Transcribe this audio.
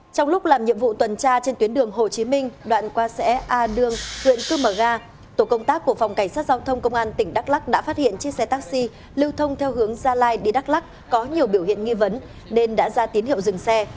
trong lúc làm nhiệm vụ tuần tra trên tuyến đường hồ chí minh đoạn qua xã a đương huyện cư mờ ga tổ công tác của phòng cảnh sát giao thông công an tỉnh đắk lắc đã phát hiện chiếc xe taxi lưu thông theo hướng gia lai đi đắk lắc có nhiều biểu hiện nghi vấn nên đã ra tín hiệu dừng xe